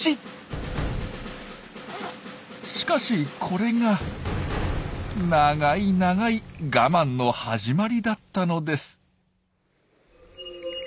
しかしこれが長い長い我慢の始まりだったのです。